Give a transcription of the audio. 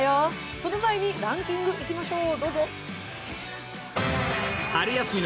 その前にランキングいきましょう。